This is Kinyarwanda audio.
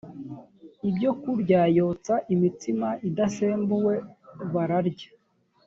ibyokurya yotsa imitsima idasembuwe bararya